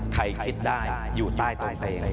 ใครคิดได้อยู่ใต้ตรงเตง